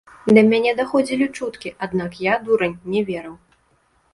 Да мяне даходзілі чуткі, аднак я, дурань, не верыў.